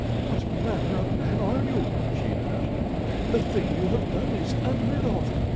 "What manner of man are you?" she asked. "The thing you have done is unheard of.